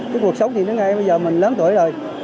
cái cuộc sống thì đến nay bây giờ mình lớn tuổi rồi